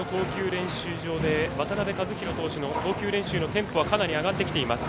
練習場で渡辺和大投手の投球練習のテンポがかなり上がってきています。